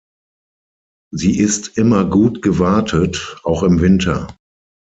Sie ist immer gut gewartet, auch im Winter.